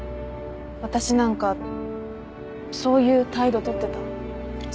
私何かそういう態度とってた？